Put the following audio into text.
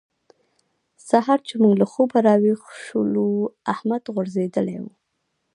سهار چې موږ له خوبه راويښ شولو؛ احمد غورځېدلی وو.